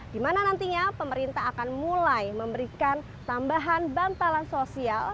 di mana nantinya pemerintah akan mulai memberikan tambahan bantalan sosial